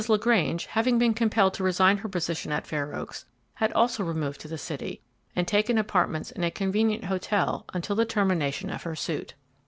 LaGrange, having been compelled to resign her position at Fair Oaks, had also removed to the city and taken apartments in a convenient hotel until the termination of her suit.